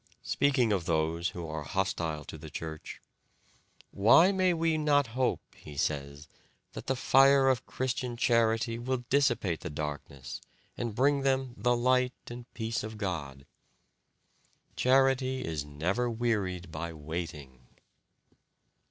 Speaking of those who are hostile to the Church, "Why may we not hope," he says, "that the fire of Christian charity will dissipate the darkness, and bring them 'the light and peace of God'? Charity is never wearied by waiting."